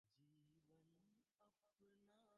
এখানকার আয় দিয়েই ওখানকার খরচ কুলিয়ে যাবে।